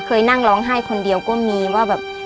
เคยนั่งร้องไห้คนเดียวก็มีว่าแบบ